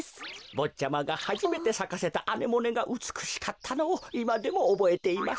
ぼっちゃまがはじめてさかせたアネモネがうつくしかったのをいまでもおぼえています。